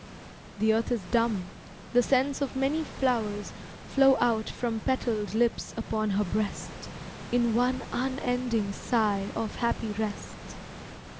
The earth is dumb, the scents of many flowers Flow out from petalled lips upon her breast, In one unending sigh of happy rest.